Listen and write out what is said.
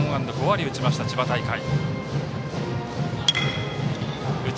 ５割を打ちました、千葉大会。